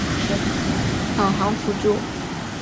面包屑导航是在用户界面中的一种导航辅助。